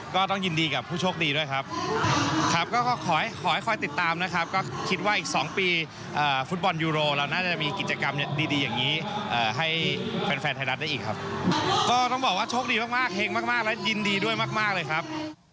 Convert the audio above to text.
ก็ต้องบอกว่าโชคดีมากเฮงมากและยินดีด้วยมากเลยครับ